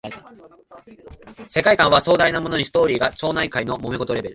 世界観は壮大なのにストーリーが町内会のもめ事レベル